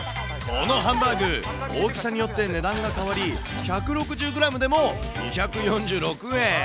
このハンバーグ、大きさによって値段が変わり、１６０グラムでも２４６円。